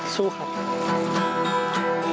สู้ครับ